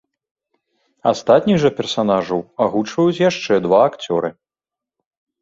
Астатніх жа персанажаў агучваюць яшчэ два акцёры.